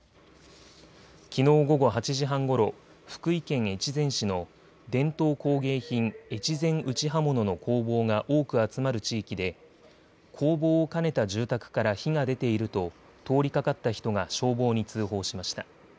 きのう午後８時半ごろ福井県越前市の伝統工芸品、越前打刃物の工房が多く集まる地域で工房を兼ねた住宅から火が出ていると通りかかった人が消防に通報しました。